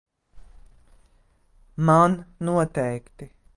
Man noteikti.